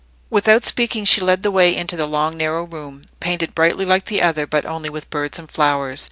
Without speaking, she led the way into a long narrow room, painted brightly like the other, but only with birds and flowers.